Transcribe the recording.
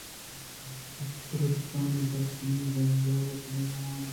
دُرٛستانی دست منی جنجال کنگ ءَہوار اَنت